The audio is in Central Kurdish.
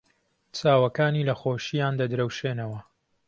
چاوەکانی لە خۆشییان دەدرەوشێنەوە.